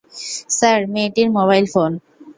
Sir, মেয়েটির mobile phone.